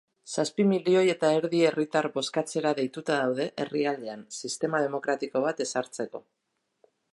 Zazpi milioi eta erdi herritar bozkatzera deituta daude herrialdean sistema demokratiko bat ezartzeko.